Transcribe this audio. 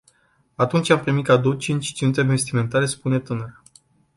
Atunci am primit cadou cinci ținute vestimentare, spune tânăra.